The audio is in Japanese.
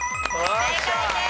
正解です。